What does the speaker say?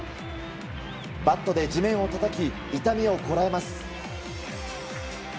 バットで地面をたたき痛みをこらえます。